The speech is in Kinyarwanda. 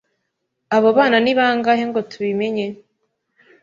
Abo bana ni bangahe ngo tubimenye